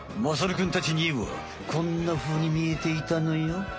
まさるくんたちにはこんなふうに見えていたのよ。